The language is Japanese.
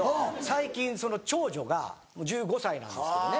最近その長女が１５歳なんですけどね